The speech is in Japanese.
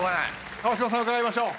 川島さん伺いましょう。